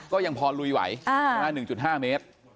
ก็ยังพอลุยไหว๑๕เมตร